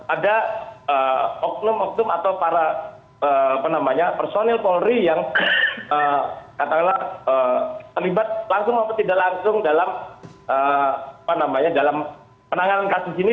ada oknum oknum atau para apa namanya personil polri yang katakanlah terlibat langsung atau tidak langsung dalam apa namanya dalam penanganan kasus ini